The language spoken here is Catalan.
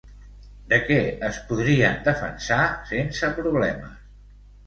De què es podrien defensar sense problemes?